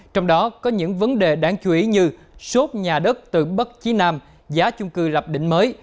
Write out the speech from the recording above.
trong đó có những vấn đề đáng chú ý như sốt nhà đất từ bất chí nam giá chung cư lập định mới